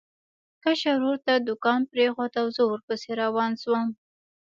کشر ورور ته دوکان پرېښود او زه ورپسې روان شوم.